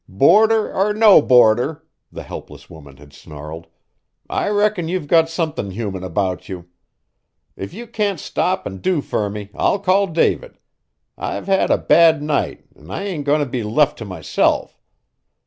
"Boarder or no boarder!" the helpless woman had snarled, "I reckon you've got somethin' human 'bout you. If you can't stop an' do fur me, I'll call David. I've had a bad night an' I ain't goin' t' be left t' myself.